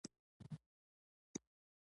مس د افغانانو د ژوند طرز اغېزمنوي.